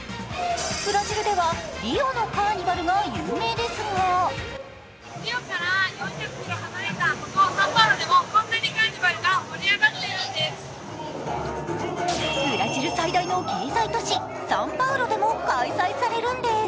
ブラジルではリオのカーニバルが有名ですがブラジル最大の経済都市、サンパウロでも開催されるんです。